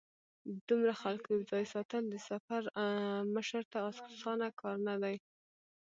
د دومره خلکو یو ځای ساتل د سفر مشر ته اسانه کار نه دی.